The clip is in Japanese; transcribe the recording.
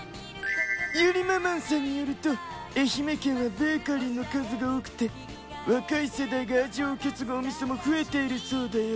ゆりママんさんによると愛媛県はベーカリーの数が多くて若い世代が味を受け継ぐお店も増えているそうで